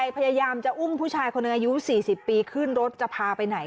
พยายามจะอุ้มผู้ชายคนหนึ่งอายุ๔๐ปีขึ้นรถจะพาไปไหน